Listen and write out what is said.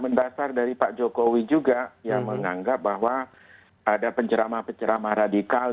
mendasar dari pak jokowi juga yang menganggap bahwa ada penceramah penceramah radikal